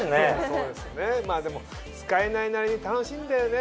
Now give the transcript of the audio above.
そうですねでも使えないなりに楽しいんだよね。